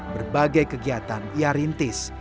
berbagai kegiatan ia rintis